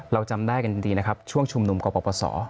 เราจำได้กันดีนะครับช่วงชุมนุมกรปศ